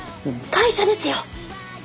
会社ですよ！